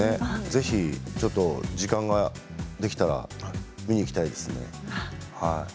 ぜひ時間ができたら見に行きたいですね。